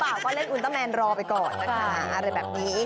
แล้วเจ้าบ่าก็เล่นอุนเตอร์แมนรอไปก่อน